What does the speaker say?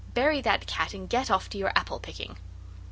Bury that cat and get off to your apple picking."